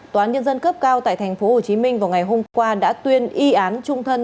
tòa án nhân dân cấp cao tại tp hcm vào ngày hôm qua đã tuyên y án trung thân